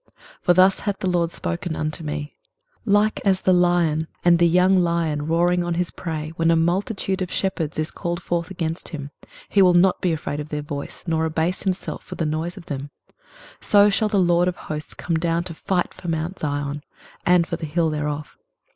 23:031:004 For thus hath the LORD spoken unto me, Like as the lion and the young lion roaring on his prey, when a multitude of shepherds is called forth against him, he will not be afraid of their voice, nor abase himself for the noise of them: so shall the LORD of hosts come down to fight for mount Zion, and for the hill thereof.